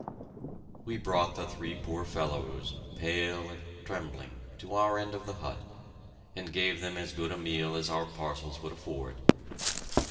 We brought the three poor fellows, pale and trembling, to our end of the hut, and gave them as good a meal as our parcels would afford.